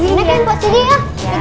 mpok ini kan positi ya